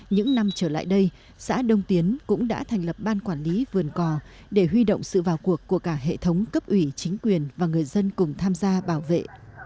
những năm trở lại đây xã đông tiến cũng đã thành lập ban quản lý vườn cò để huy động sự vào cuộc của cả hệ thống cấp ủy chính quyền và người dân cùng tham gia bảo vệ